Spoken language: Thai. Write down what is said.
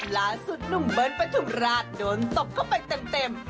ล่าสุดหนุ่มเบิ้ลปฐุมราชโดนตบเข้าไปเต็ม